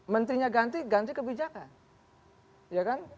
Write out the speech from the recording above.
menterinya ganti ganti kebijakan